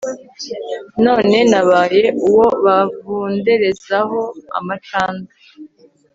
none nabaye uwo bavunderezaho amacandwe